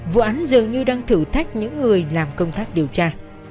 vụ án dường như đang thử thách những người làm công tác điều tra